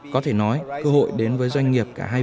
có thể nói cơ hội đến với doanh nghiệp cả hai